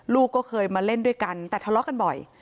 ลูกก็เคยมาเล่นด้วยกันแต่ทะเลาะกันบ่อย